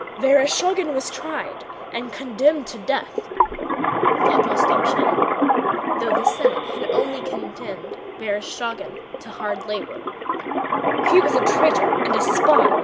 "Vereshchágin was tried and condemned to death," thought Rostopchín (though the Senate had only condemned Vereshchágin to hard labor), "he was a traitor and a spy.